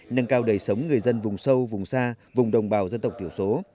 nâng cao đời sống người dân vùng sâu vùng xa vùng đồng bào dân tộc thiểu số